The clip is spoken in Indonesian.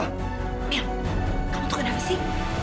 mila kamu tuh kenapa sih